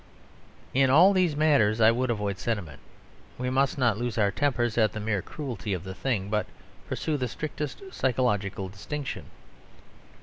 In all these matters I would avoid sentiment. We must not lose our tempers at the mere cruelty of the thing; but pursue the strict psychological distinction.